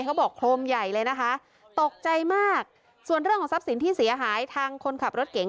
เขาบอกโครมใหญ่เลยนะคะตกใจมากส่วนเรื่องของทรัพย์สินที่เสียหายทางคนขับรถเก๋ง